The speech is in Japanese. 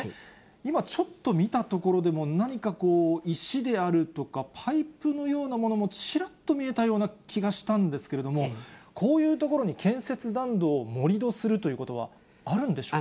今、ちょっと見たところでも、何かこう、石であるとか、パイプのようなものもちらっと見えたような気がしたんですけれども、こういう所に建設残土を盛り土するということはあるんでしょうか。